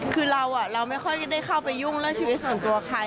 คือเราไม่ค่อยได้เข้าไปยุ่งเรื่องชีวิตส่วนตัวใคร